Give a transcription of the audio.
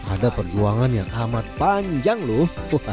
ada perjuangan yang amat panjang loh